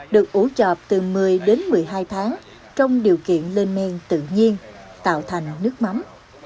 được ủ chợp từ một mươi đến một mươi hai tháng trong điều kiện lên men tự nhiên tạo thành nước mắm